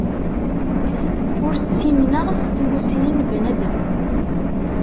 Ul ttimneɣ s tmusni n bnadem.